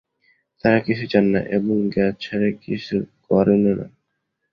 তাঁরা কিছুই চান না এবং জ্ঞাতসারে কিছু করেনও না।